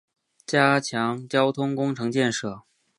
加强交通工程建设